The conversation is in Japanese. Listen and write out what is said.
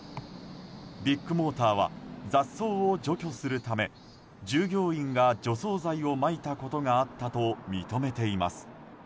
ビッグモーターは雑草を除去するため従業員が除草剤をまいたことがあったと認めています。